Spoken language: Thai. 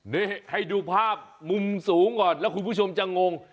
นี่ให้ดูภาพมุมสูงก่อนแล้วคุณผู้ชมจะงง